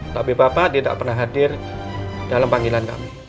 tapi bapak tidak pernah hadir dalam panggilan kami